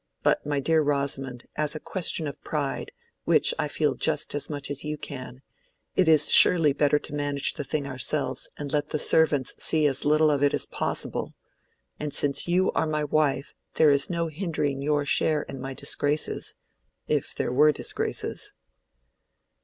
But, my dear Rosamond, as a question of pride, which I feel just as much as you can, it is surely better to manage the thing ourselves, and let the servants see as little of it as possible; and since you are my wife, there is no hindering your share in my disgraces—if there were disgraces."